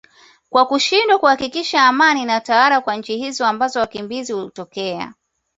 kwa kushindwa kuhakikisha amani inatawala kwa nchi hizo ambao wakimbizi hutokea